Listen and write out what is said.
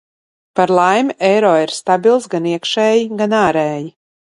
Par laimi eiro ir stabils gan iekšēji, gan ārēji.